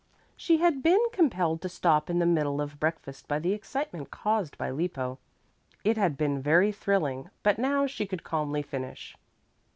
She had been compelled to stop in the middle of breakfast by the excitement caused by Lippo. It had been very thrilling, but now she could calmly finish.